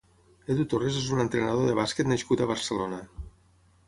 Edu Torres és un entrenador de bàsquet nascut a Barcelona.